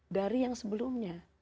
dari yang sebelumnya